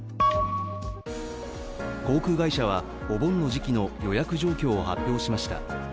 航空会社はお盆の時期の予約状況を発表しました。